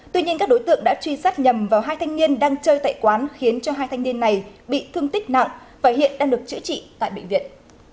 tuy nhiên các đối tượng đã truy sát nhầm vào hai thanh niên đang chơi tại quán khiến cho hai thanh niên này bị thương tích nặng và hiện đang được chữa trị tại bệnh viện